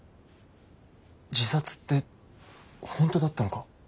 自殺って本当だったのか。